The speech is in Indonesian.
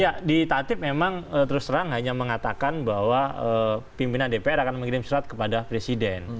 ya di tatip memang terus terang hanya mengatakan bahwa pimpinan dpr akan mengirim surat kepada presiden